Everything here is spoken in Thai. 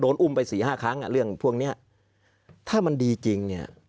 อุ้มไปสี่ห้าครั้งอ่ะเรื่องพวกเนี้ยถ้ามันดีจริงเนี่ย